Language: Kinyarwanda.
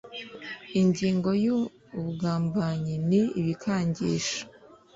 Ingingo ya Ubugambanyi n ibikangisho